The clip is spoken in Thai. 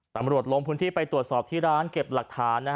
ตำรวจโรงคุณธิไปตรวจสอบที่ร้านเก็บหลักฐาน